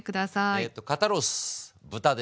えっと肩ロース豚です。